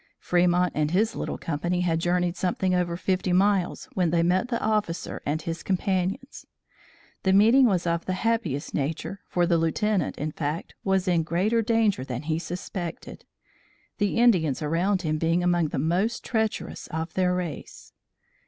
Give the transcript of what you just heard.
Fremont and his little company had journeyed something over fifty miles when they met the officer and his companions. The meeting was of the happiest nature, for the Lieutenant, in fact, was in greater danger than he suspected, the Indians around him being among the most treacherous of their race.